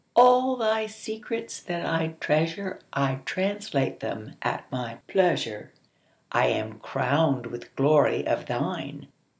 All thy secrets that I treasure I translate them at my pleasure. I am crowned with glory of thine.